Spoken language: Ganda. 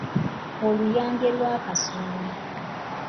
Oluyange lwa kasooli.